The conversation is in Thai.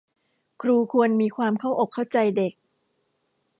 ครูควรมีความเข้าอกเข้าใจเด็ก